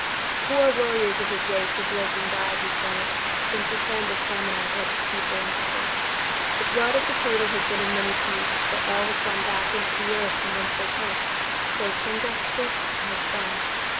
"Four warriors of his race have lived and died," he said, "since the friend of Tamenund led his people in battle. The blood of the turtle has been in many chiefs, but all have gone back into the earth from whence they came, except Chingachgook and his son."